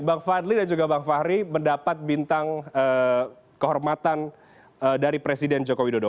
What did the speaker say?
bang fadli dan juga bang fahri mendapat bintang kehormatan dari presiden joko widodo